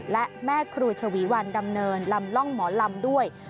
และแม่ครูชวีวันดำเนินลำร่องหมอลำด้วย